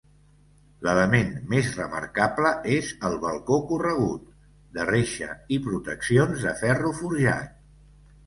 L'element més remarcable és el balcó corregut, de reixa i proteccions de ferro forjat.